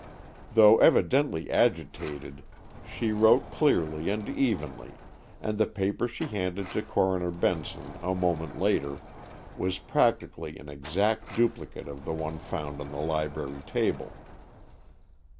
Though evidently agitated, she wrote clearly and evenly, and the paper she handed to Coroner Benson a moment later was practically an exact duplicate of the one found on the library table.